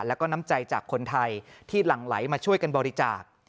แล้วก็น้ำใจจากคนไทยที่หลั่งไหลมาช่วยกันบริจาค